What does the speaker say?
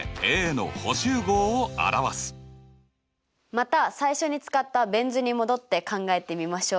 また最初に使ったベン図に戻って考えてみましょう。